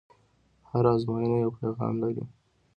هره ازموینه یو پیغام لري.